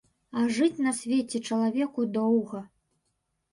А жыць на свеце чалавеку доўга.